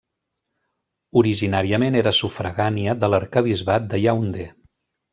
Originàriament era sufragània de l'arquebisbat de Yaoundé.